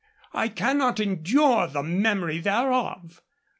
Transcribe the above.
I cannot endure the memory thereof.